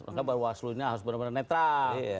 makanya bahwa waslu ini harus benar benar netral